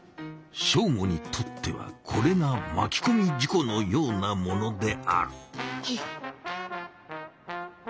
ショーゴにとってはこれがまきこみ事故のようなものである。